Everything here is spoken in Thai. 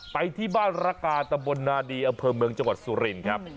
ไปที่บ้านระกาตำบลนาดีอำเภอเมืองจังหวัดสุรินครับ